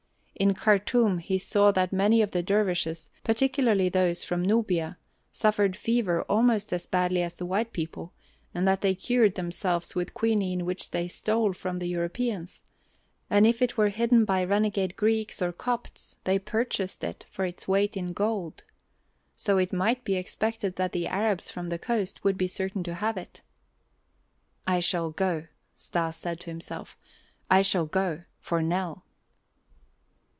In Khartûm he saw that many of the dervishes, particularly those from Nubia, suffered fever almost as badly as the white people and that they cured themselves with quinine which they stole from the Europeans, and if it were hidden by renegade Greeks or Copts they purchased it for its weight in gold. So it might be expected that the Arabs from the coast would be certain to have it. "I shall go," Stas said to himself, "I shall go, for Nell."